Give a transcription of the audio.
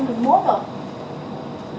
đó vô đây ạ